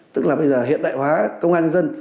tức là bây giờ hiện đại hóa công an nhân dân